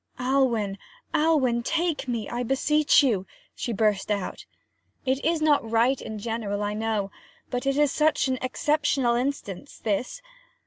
'Alwyn, Alwyn, take me, I beseech you!' she burst out. 'It is not right in general, I know, but it is such an exceptional instance, this.